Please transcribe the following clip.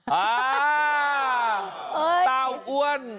อ่าตาวอ้วน